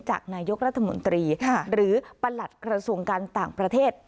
จากนายกรัฐมนตรีหรือประหลัดกระทรวงการต่างประเทศ